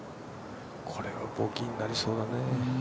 これはボギーになりそうだね。